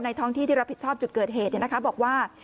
ท้องที่ที่รับผิดชอบจุดเกิดเหตุบอกว่า